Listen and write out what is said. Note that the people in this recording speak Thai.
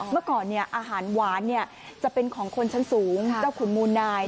เมื่อก่อนอาหารหวานจะเป็นของคนชั้นสูงเจ้าขุนมูลนาย